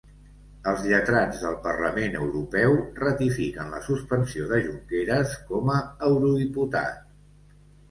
Els lletrats del Parlament Europeu ratifiquen la suspensió de Junqueras com a eurodiputat